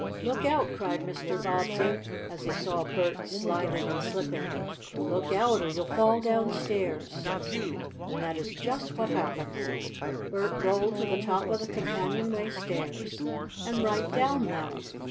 "Look out!" cried Mr. Bobbsey, as he saw Bert sliding and slipping. "Look out, or you'll fall downstairs!" And that is just what happened. Bert rolled to the top of the companionway stairs, and right down them.